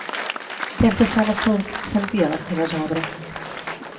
Què es deixava sentir a les seves obres?